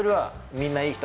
みんないい人